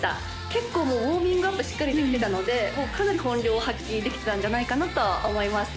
結構もうウォーミングアップしっかりできてたのでかなり本領を発揮できてたんじゃないかなと思います